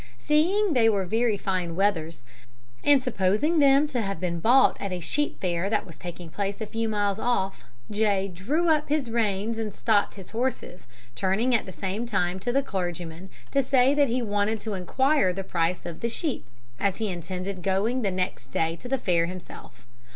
Seeing they were very fine wethers, and supposing them to have been bought at a sheep fair that was then taking place a few miles off, J. drew up his reins and stopped his horses, turning at the same time to the clergyman to say that he wanted to enquire the price of the sheep, as he intended going next day to the fair himself.